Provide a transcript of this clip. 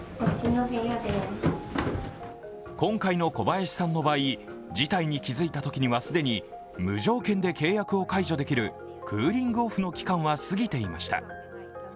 今回の小林さんの場合、事態に気付いたときには既に無条件で契約を解除できるクーリング・オフの期間は過ぎていました。